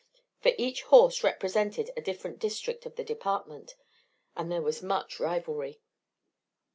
For each horse represented a different district of the Department, and there was much rivalry.